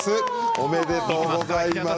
おめでとうございます。